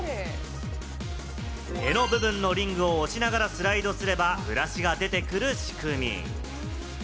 柄の部分のリングをしながらスライドすればブラシが出てくる仕組み。